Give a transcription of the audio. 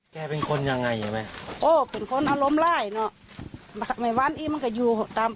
แกเป็นคนยังไงไหมโอ้เป็นคนอารมณ์ร้ายน่ะมันก็อยู่ตาม